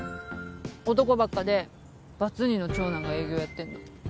男ばっかでバツ２の長男が営業やってんの。